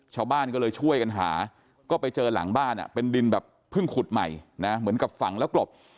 ชาวบ้านก็เลยช่วยกันหาก็ไปเจอหลังบ้านเป็นดินแบบเพิ่งขุดใหม่นะเหมือนกับฝังแล้วกลบ